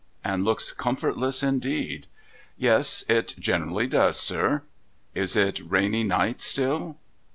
' And looks comfortless indeed !'' Yes, it generally does, sir.' ' Is it a rainy night still